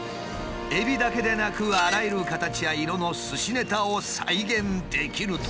エビだけでなくあらゆる形や色のすしネタを再現できるという。